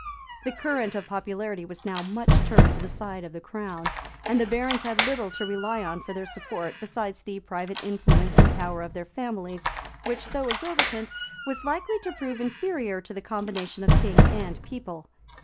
428, 439 The current of popularity was now much turned to the side of the crown; and the barons had little, to rely on for their support besides the private influence and power of their families, which, though exorbitant, was likely to prove inferior to the combination of king and people.